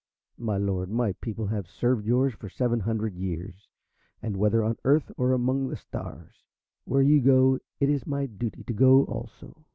"My Lord, my people have served yours for seven hundred years, and, whether on Earth or among the stars, where you go it is my duty to go also.